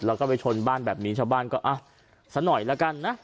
แล้วก็ไปชนบ้านแบบนี้ชาวบ้านก็สักหน่อยละกันนะ